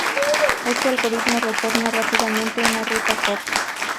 Este algoritmo retorna rápidamente una ruta corta.